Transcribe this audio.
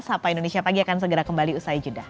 sapa indonesia pagi akan segera kembali usai jeda